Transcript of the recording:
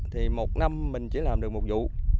thì một năm mình chỉ làm được một vụ